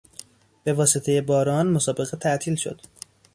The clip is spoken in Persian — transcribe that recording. به واسطهی باران، مسابقه تعطیل شد.